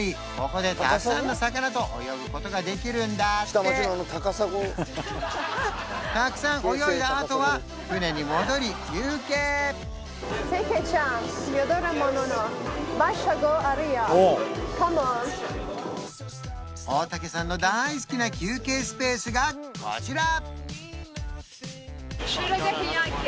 ここでたくさんの魚と泳ぐことができるんだってたくさん泳いだあとは船に戻り休憩がこちら！